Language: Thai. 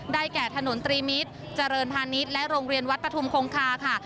แก่ถนนตรีมิตรเจริญพาณิชย์และโรงเรียนวัดปฐุมคงคาค่ะ